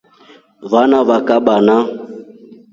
Vana va kabana.